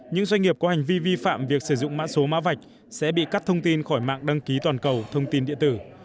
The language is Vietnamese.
những doanh nghiệp có hành vi vi phạm việc sử dụng mã số mã vạch sẽ bị cắt thông tin khỏi mạng đăng ký toàn cầu thông tin địa tử